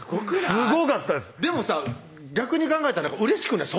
すごかったですでもさ逆に考えたらうれしくない？